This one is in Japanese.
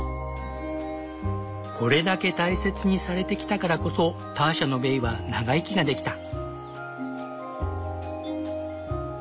これだけ大切にされてきたからこそターシャのベイは長生きができた。